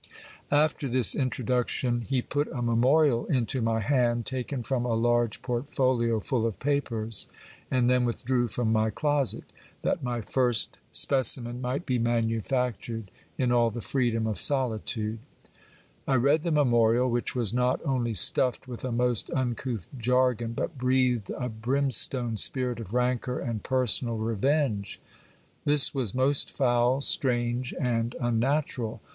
After this introduction, he put a memorial into my hand, taken from a large portfolio full of papers, and then withdrew from my closet, that my first speci L THE DUKE OF LERMA PLEASED WITH GIL BLAS. 281 men might be manufactured in all the freedom of solitude I read the me morial, which was not only stuffed with a most uncouth jargon, but breathed a brimstone spirit of rancour and personal revenge. This was most foul, strange, and unnatural